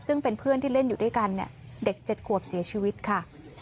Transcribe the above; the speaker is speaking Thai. ซึ่งเป็นเพื่อนที่เล่นอยู่ด้วยกันเนี่ยเด็ก๗ขวบเสียชีวิตค่ะ